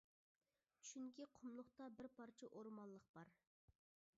چۈنكى قۇملۇقتا بىر پارچە ئورمانلىق بار.